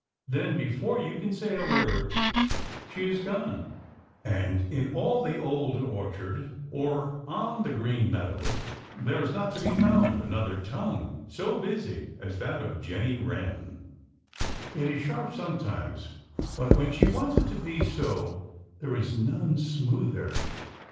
Then, before you can say a word, she is gone. And in all the Old Orchard or on the Green Meadows there is not to be found another tongue so busy as that of Jenny Wren. It is sharp sometimes, but when she wants it to be so there is none smoother.